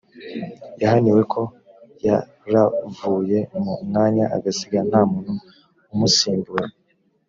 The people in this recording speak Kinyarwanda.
yahaniwe ko yaravuye mu mwanya agasiga nta muntu umusimbura